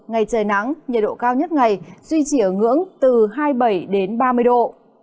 ngày trời nắng nhiệt độ cao nhất ngày duy trì ở ngưỡng từ hai mươi bảy đến ba mươi độ